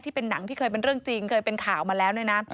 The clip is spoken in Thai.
เป็นหนังที่เคยเป็นเรื่องจริงเคยเป็นข่าวมาแล้วเนี่ยนะ